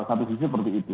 satu sisi seperti itu